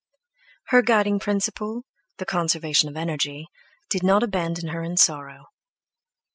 Her guiding principle, the conservation of energy, did not abandon her in sorrow.